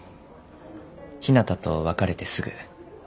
ひなたと別れてすぐ。